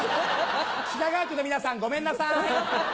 品川区の皆さんごめんなさい！